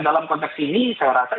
dalam konteks ini saya rasa